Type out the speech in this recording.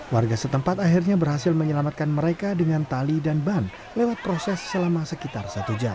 warga setempat akhirnya berhasil menyelamatkan mereka dengan tali dan ban lewat proses selama sekitar satu jam